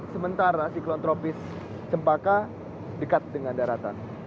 sementara siklon tropis cempaka dekat dengan daratan